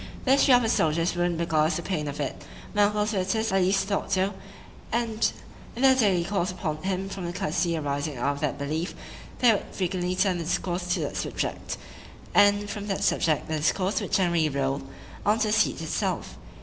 The history of a soldier's wound beguiles the pain of it;—my uncle's visitors at least thought so, and in their daily calls upon him, from the courtesy arising out of that belief, they would frequently turn the discourse to that subject,—and from that subject the discourse would generally roll on to the siege itself.